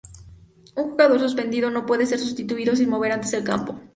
Un jugador suspendido no puede ser sustituido sin volver antes al campo.